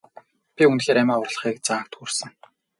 Би үнэхээр амиа хорлохын заагт хүрсэн.